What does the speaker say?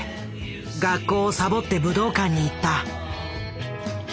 学校をさぼって武道館に行った。